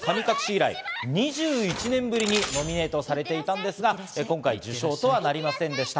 以来２１年ぶりにノミネートされていたんですが、今回受賞とはなりませんでした。